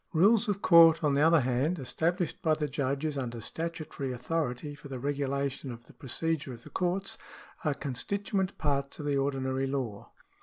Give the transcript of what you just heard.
Rules of court, on the other hand, established by the judges under statutory authority for the regulation of the procedure of the courts, are constituent parts of the ordinary law.